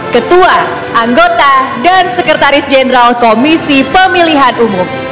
ketua anggota dan sekretaris jenderal komisi pemilihan umum